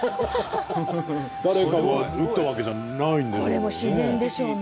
誰かが打ったわけじゃないんですもんね。